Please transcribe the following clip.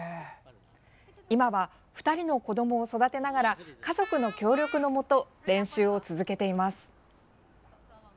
今は２人の子どもを育てながら家族の協力のもと練習を続けています。